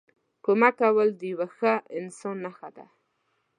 کمک کول د یوه ښه انسان نښه ده.